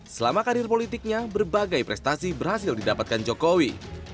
selama karir politiknya berbagai prestasi berhasil didapatkan jokowi